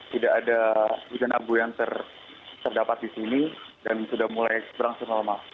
tidak ada hujan abu yang terdapat di sini dan sudah mulai berangsur normal